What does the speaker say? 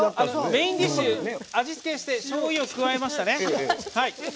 メインディッシュ味付けしてしょうゆを加えましたね。